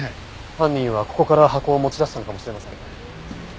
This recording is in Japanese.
犯人はここから箱を持ち出したのかもしれませんね。